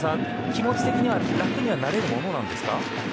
気持ち的には楽にはなれるものなんですか。